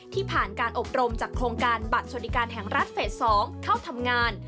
ผ่านการอบรมจากโครงการบัตรสวัสดิการแห่งรัฐเฟส๒เข้าทำงาน